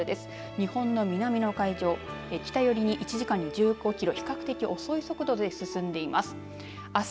日本の南の海上を北寄りに１時間に１５キロ、比較的遅い速度で進んでます。